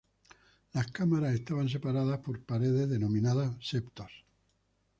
Las cámaras estaban separados por paredes denominadas septos.